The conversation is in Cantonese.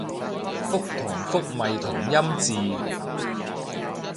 覆同復咪同音字